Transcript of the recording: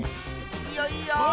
いいよいいよ！